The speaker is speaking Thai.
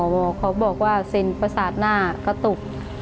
หมอเขาบอกว่าสินปศาจหน้ากระตุก